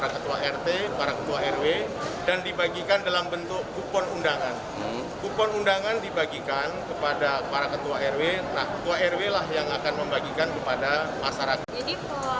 kita terima vaksin di sini dari daftar komplek di rumah jadi ditawarkan ada vaksin di transmart geraha jadi kita daftar di sini